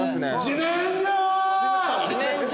「自然薯！」